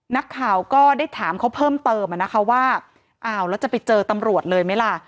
นักข่าวก็ได้ถามเขาเพิ่มเติมอ่ะนะคะว่าอ้าวแล้วจะไปเจอตำรวจเลยไหมล่ะ